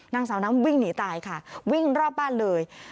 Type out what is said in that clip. นางสาวน้ำวิ่งหนีตายค่ะวิ่งรอบบ้านเลย